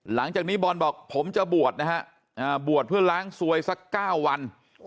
หลังจากนี้บอลบอกผมจะบวชนะฮะบวชเพื่อล้างสวยสัก๙วัน